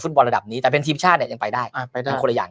บอลระดับนี้แต่เป็นทีมชาติเนี่ยยังไปได้ไปได้คนละอย่าง